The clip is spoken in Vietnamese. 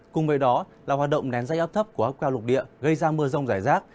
cùng với đó là hoạt động nén dây áp thấp của áp cao lục địa gây ra mưa rông rải rác